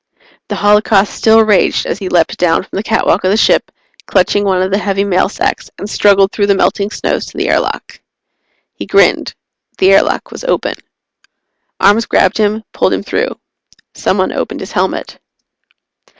The holocaust still raged as he leaped down from the catwalk of the ship, clutching one of the heavy mail sacks, and struggled through the melting snows to the airlock. He grinned. The airlock was open. Arms grabbed him, pulled him through. Someone opened his helmet.